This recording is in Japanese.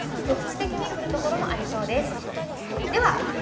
局地的に降る所もありそうです。